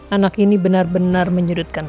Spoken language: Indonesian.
anak ini benar benar menyerutkan